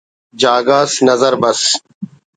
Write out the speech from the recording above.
جاگہ اس نظر بس